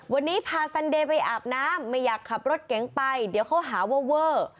วันนี้พาซันเดย์ไปอาบน้ำไม่อยากขับรถเก๋งไปเดี๋ยวเขาหาเวอร์เวอร์